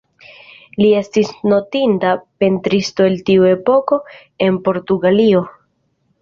Li estis notinda pentristo el tiu epoko en Portugalio.